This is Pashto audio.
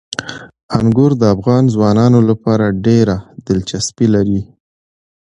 انګور د افغان ځوانانو لپاره ډېره دلچسپي لري.